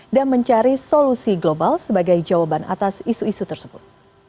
dan mencari solusi global sebagai jawaban atas isu isu tersebut